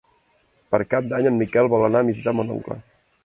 Per Cap d'Any en Miquel vol anar a visitar mon oncle.